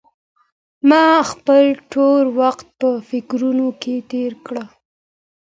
ما خپل ټول وخت په فکرونو کې تېر کړ.